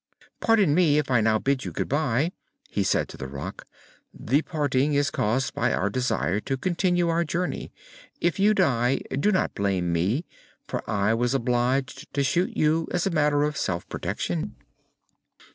"Pardon me if I now bid you good bye," he said to the Rak. "The parting is caused by our desire to continue our journey. If you die, do not blame me, for I was obliged to shoot you as a matter of self protection."